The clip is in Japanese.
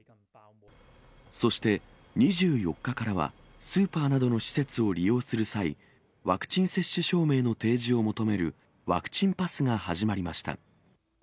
そして、２４日からはスーパーなどの施設を利用する際、ワクチン接種証明の提示を求めるワクチンパスが始まりました。